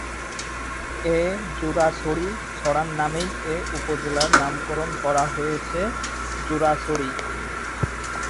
এ জুরাছড়ি ছড়ার নামেই এ উপজেলার নামকরণ হয়েছে "জুরাছড়ি"।